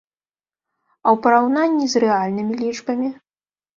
А ў параўнанні з рэальнымі лічбамі?